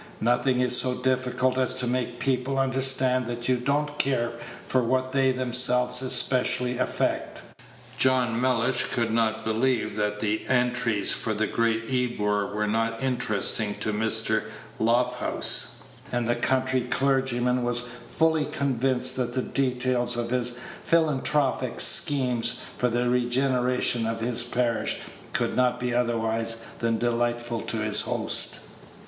Nothing is so difficult as to make people understand that you don't care for what they themselves especially affect. John Mellish could not believe that the entries for the Great Ebor were not interesting to Mr. Lofthouse, and the country clergyman was fully convinced that the details of his philanthropic schemes for the regeneration of his parish could not be otherwise than delightful to his host.